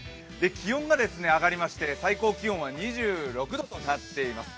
気温が上がりまして最高気温は２６度となっています。